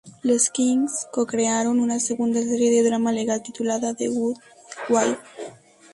Los Kings co-crearon una segunda serie de drama legal titulada "The Good Wife".